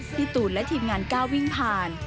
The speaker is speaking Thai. พี่ตูนและทีมงานก้าววิ่งผ่าน